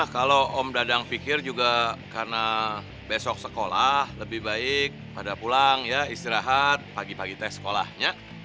kalau om dadang pikir juga karena besok sekolah lebih baik pada pulang ya istirahat pagi pagi tes sekolahnya